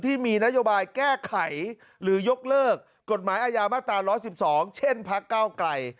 ที่มีนโยบายแก้ไขหรือยกเลิกกฎหมายอาญามาตรา๑๑๒เช่นพักเก้าไกล